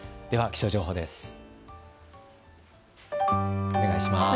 では気象情報です。